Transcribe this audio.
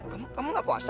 kamu kamu gak puasa